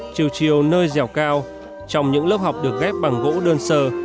chiều chiều nơi dẻo cao trong những lớp học được ghép bằng gỗ đơn sơ